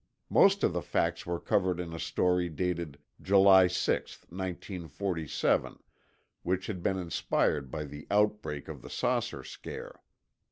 Most of the facts were covered in a story dated July 6, 1947, which had been inspired by the outbreak of the saucer scare.